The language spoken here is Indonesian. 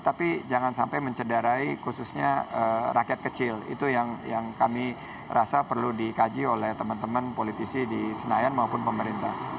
tapi jangan sampai mencederai khususnya rakyat kecil itu yang kami rasa perlu dikaji oleh teman teman politisi di senayan maupun pemerintah